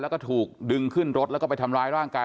แล้วก็ถูกดึงขึ้นรถแล้วก็ไปทำร้ายร่างกาย